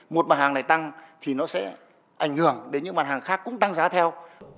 một mặt hàng này tăng thì nó sẽ ảnh hưởng đến những mặt hàng khác cũng tăng giá theo